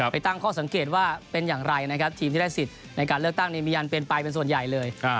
ตั้งข้อสังเกตว่าเป็นอย่างไรนะครับทีมที่ได้สิทธิ์ในการเลือกตั้งนี้มีอันเป็นไปเป็นส่วนใหญ่เลย